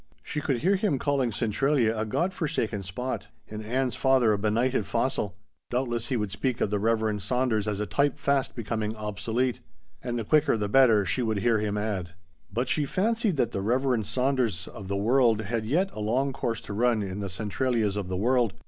She could hear him calling Centralia a God forsaken spot and Ann's father a benighted fossil. Doubtless he would speak of the Reverend Saunders as a type fast becoming obsolete. "And the quicker the better," she could hear him add. But she fancied that the Reverend Saunderses of the world had yet a long course to run in the Centralias of the world.